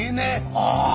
ああ。